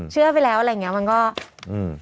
เชื่อไปแล้วอะไรแบบนี้